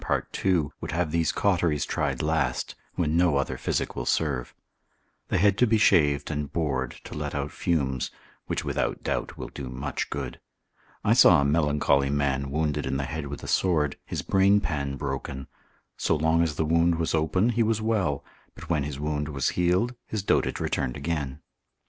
part. 2. would have these cauteries tried last, when no other physic will serve. The head to be shaved and bored to let out fumes, which without doubt will do much good. I saw a melancholy man wounded in the head with a sword, his brainpan broken; so long as the wound was open he was well, but when his wound was healed, his dotage returned again.